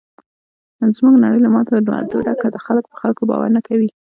زموږ نړۍ له ماتو وعدو ډکه ده. خلک په خلکو باور نه کوي.